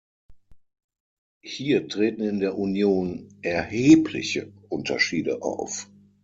Hier treten in der Union erhebliche Unterschiede auf.